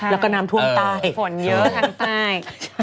แล้วก็น้ำท่วมใต้ฝนเยอะทางใต้